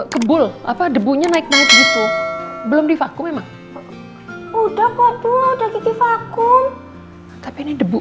debul apa debunya naik naik gitu belum divakum emang udah kok tuh udah kiki vakum tapi ini debu